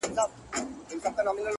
د ښویېدلي سړي لوري د هُدا لوري ـ